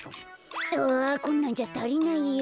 あこんなんじゃたりないよ。